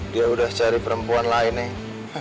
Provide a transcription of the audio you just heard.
dia sudah cari perempuan lain neng